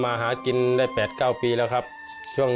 ไม่ได้ส่ง